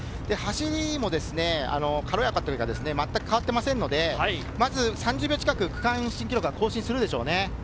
走りも軽やかというか全く変わっていませんので、まず３０秒近く区間新記録は更新するでしょうね。